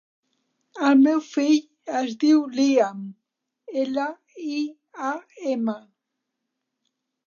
El meu fill es diu Liam: ela, i, a, ema.